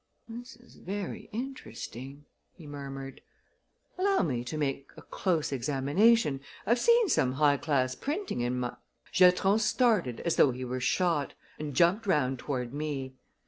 "This is very interesting," he murmured. "Allow me to make a close examination. I've seen some high class printing in my " Giatron started as though he were shot and jumped round toward me.